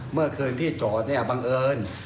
เมื่อคืนที่จอดเนี่ยบังเอิญ